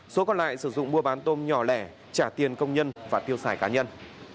số còn lại sử dụng mua bán tôm nhỏ lẻ trả tiền công nhân và tiêu xài cá nhân